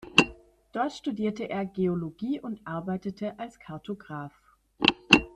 Dort studierte er Geologie und arbeitete als Kartograf.